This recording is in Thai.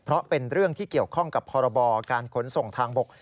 เพราะเป็นเรื่องที่เกี่ยวข้องกับพรบการขนส่งทางบก